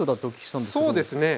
そうですね。